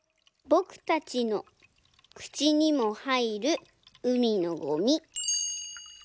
「ぼくたちのくちにもはいるうみのゴミ」。